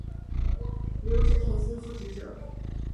留职停薪复职者